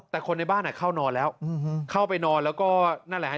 แต่คนในบ้านเข้านอนแล้วเข้าไปนอนแล้วก็นั่นแหละฮะ